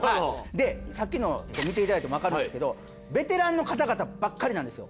でさっきの見ていただいてもわかるんですけどベテランの方々ばっかりなんですよ。